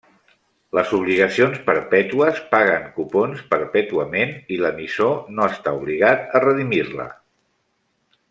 Les obligacions perpètues paguen cupons perpètuament i l'emissor no està obligat a redimir-la.